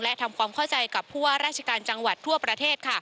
และทำความเข้าใจกับผู้ว่าราชการจังหวัดทั่วประเทศ